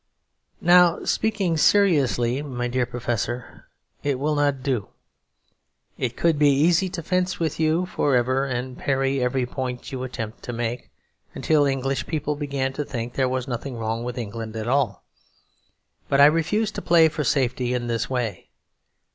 Now speaking seriously, my dear Professor, it will not do. It could be easy to fence with you for ever and parry every point you attempt to make, until English people began to think there was nothing wrong with England at all. But I refuse to play for safety in this way.